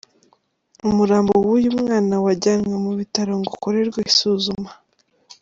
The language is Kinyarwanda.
Umurambo w’uyu mwana wajyanwe mu bitaro ngo ukorerwe isuzuma.